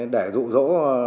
để rụ rỗ